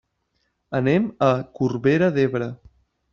Anem a Corbera d'Ebre.